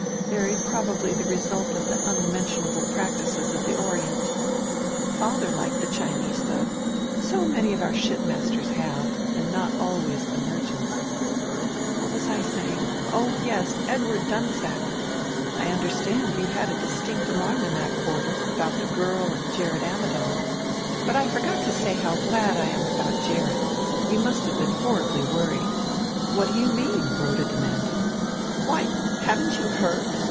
Very probably the result of the unmentionable practices of the Orient. Father liked the Chinese though; so many of our shipmasters have, and not always the merchants.... What was I saying? Oh, yes, Edward Dunsack. I understand you had a distinct alarm in that quarter, about the girl and Gerrit Ammidon. But I forgot to say how glad I am about Gerrit. You must have been horribly worried " "What do you mean?" Rhoda demanded. "Why, haven't you heard!